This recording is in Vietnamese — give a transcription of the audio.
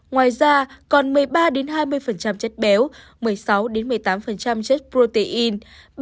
ngoài ra còn một mươi ba hai mươi chất béo một mươi sáu một mươi tám chất protein